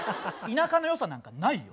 田舎の良さなんかないよ。